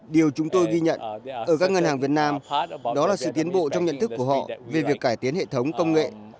điều chúng tôi ghi nhận ở các ngân hàng việt nam đó là sự tiến bộ trong nhận thức của họ về việc cải tiến hệ thống công nghệ